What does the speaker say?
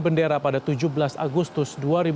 bendera pada tujuh belas agustus dua ribu dua puluh